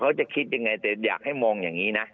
เขาจะคิดยังไงแต่อยากให้มองอย่างนี้นะ